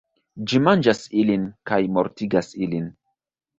Ĝi manĝas ilin, kaj mortigas ilin.